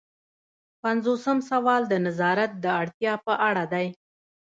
پنځوسم سوال د نظارت د اړتیا په اړه دی.